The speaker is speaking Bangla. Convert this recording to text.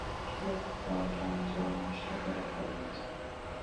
সেই পট আজ ও নষ্ট করে ফেলতে চায়।